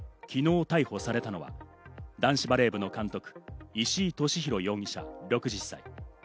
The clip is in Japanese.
昨日逮捕されたのは男子バレー部の監督・石井利広容疑者、６０歳。